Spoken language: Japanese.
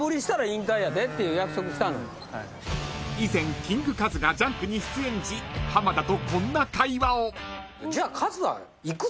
［以前キングカズが『ジャンク』に出演時浜田とこんな会話を］